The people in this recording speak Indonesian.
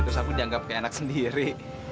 terus aku dianggap kayak enak sendiri